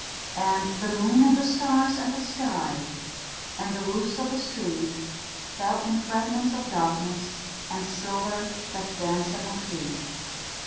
And the moon and the stars and the sky, And the roofs of the street, Fell in fragments of darkness and silver That danced at my feet.